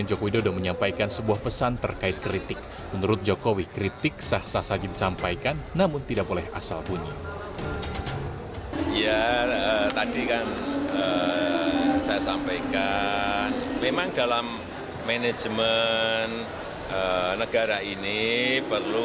oke ini pertama tama ini adalah inisiatif